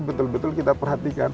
betul betul kita perhatikan